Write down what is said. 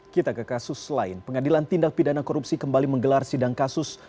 kita ke kasus lain pengadilan tindak pidana korupsi kembali menggelar sidang kasus